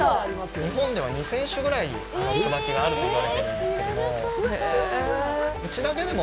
日本では２０００種ぐらい椿があるといわれているんですけれども。